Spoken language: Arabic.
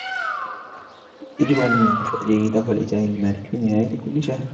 يجب على المستأجر دفع الايجار للمالك في نهاية كل شهر.